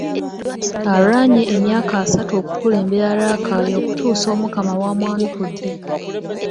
Alwanye emyaka asatu okukulembera Rakai okutuusa Omukama w’amwanukudde .